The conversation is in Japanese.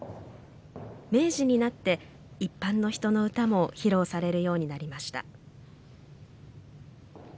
明治になって一般の人の歌も披露されるようになりました。